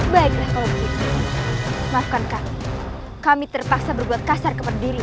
baiklah kalau begitu maafkan kami terpaksa berbuat kasar kepada diri